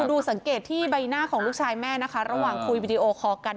ดูสังเกตที่ใบหน้าของลูกชายแม่นะคะระหว่างคุยวิดีโอคอลกัน